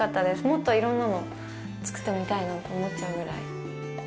もっといろんなの作ってみたいなと思っちゃうぐらい。